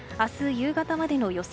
夕方までの予想